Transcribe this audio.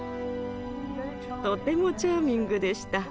とてもチャーミングでした。